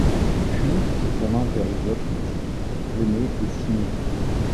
Puis, se tournant vers les autres, il dit :— Venez, et signez.